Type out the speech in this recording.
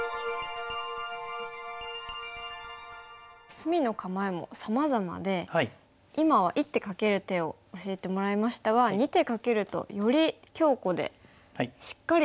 隅の構えもさまざまで今は１手かける手を教えてもらいましたが２手かけるとより強固でしっかりとした構えができますよね。